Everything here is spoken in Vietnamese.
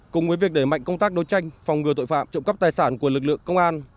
cùng với việc đẩy mạnh công tác đối tranh phòng ngừa tội phạm trộm cắp tài sản của lực lượng công an